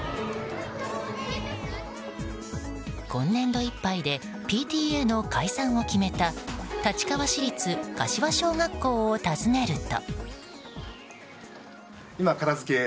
今年度いっぱいでＰＴＡの解散を決めた立川市立柏小学校を訪ねると。